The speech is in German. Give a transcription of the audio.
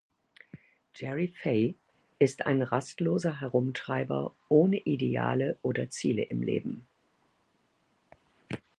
Jerry Fay ist ein rastloser Herumtreiber ohne Ideale oder Ziele im Leben.